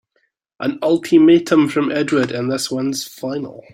An ultimatum from Edward and this one's final!